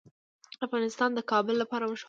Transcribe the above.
افغانستان د کابل لپاره مشهور دی.